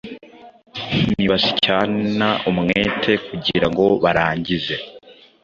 ntibasyana umwete.kugirango barangize